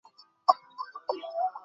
শুনলাম তোমার বাবা আবার বিয়ে করছেন।